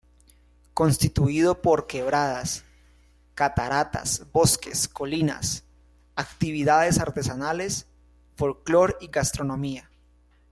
Constituido por quebradas, cataratas, bosques, colinas, actividades artesanales, folclor y gastronomía.